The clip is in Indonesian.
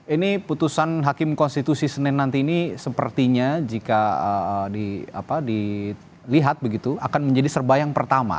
ini putusan hakim konstitusi senin nanti ini sepertinya jika dilihat begitu akan menjadi serba yang pertama